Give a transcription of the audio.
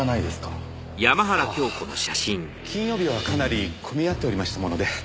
さあ金曜日はかなり混み合っておりましたもので。